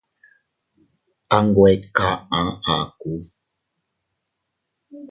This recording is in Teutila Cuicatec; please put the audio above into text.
Anwe kaʼa akuu.